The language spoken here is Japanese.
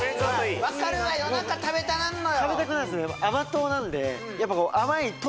わかるわ夜中食べたなんのよ